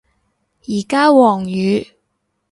而家黃雨